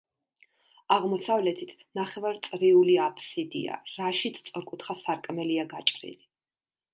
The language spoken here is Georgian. აღმოსავლეთით ნახევარწრიული აფსიდია, რაშიც სწორკუთხა სარკმელია გაჭრილი.